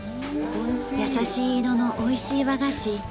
優しい色の美味しい和菓子。